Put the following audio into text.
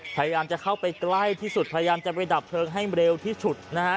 พยายามจะเข้าไปใกล้ที่สุดพยายามจะไปดับเพลิงให้เร็วที่สุดนะฮะ